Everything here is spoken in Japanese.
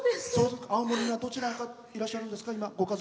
青森は、誰がいらっしゃるんですか？